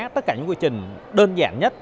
tất cả những quy trình đơn giản nhất